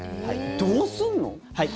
どうするの？